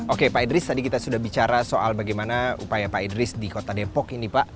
oke pak idris tadi kita sudah bicara soal bagaimana upaya pak idris di kota depok ini pak